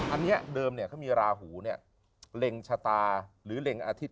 อันนี้เดิมเนี่ยเขามีราหูเนี่ยเล็งชะตาหรือเล็งอาทิตย